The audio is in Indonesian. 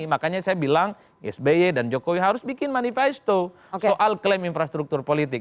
makanya saya bilang sby dan jokowi harus bikin manifesto soal klaim infrastruktur politik